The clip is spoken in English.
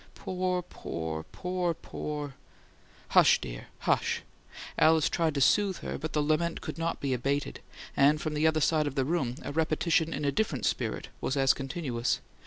Poor, poor, poor, POOR " "Hush, dear, hush!" Alice tried to soothe her, but the lament could not be abated, and from the other side of the room a repetition in a different spirit was as continuous.